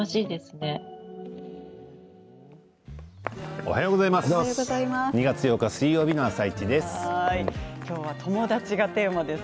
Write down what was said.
おはようございます。